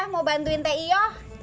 mau bantuin teh iyo